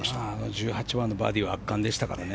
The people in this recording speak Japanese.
１８番のバーディーは圧巻でしたからね。